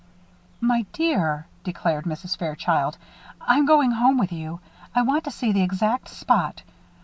"My dear," declared Mrs. Fairchild, "I'm going home with you. I want to see the exact spot.